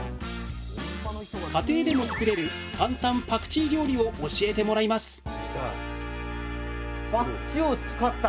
家庭でも作れる簡単パクチー料理を教えてもらいます！